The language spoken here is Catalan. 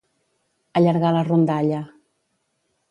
Allargar la rondalla.